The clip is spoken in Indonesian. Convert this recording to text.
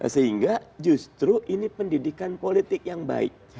sehingga justru ini pendidikan politik yang baik